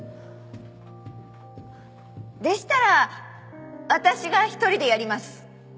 でしたら私が一人でやります